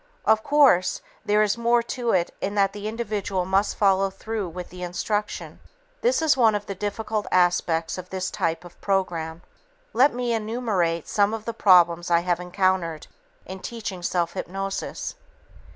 Of course, there is more to it in that the individual must follow through with the instruction. This is one of the difficult aspects of this type of program. Let me enumerate some of the problems I have encountered in teaching self hypnosis.